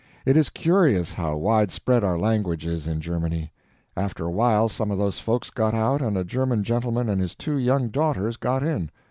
It is curious how widespread our language is in Germany. After a while some of those folks got out and a German gentleman and his two young daughters got in.